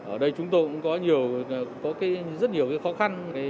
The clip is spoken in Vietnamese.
ở đây chúng tôi cũng có rất nhiều khó khăn